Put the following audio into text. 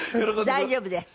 大丈夫です。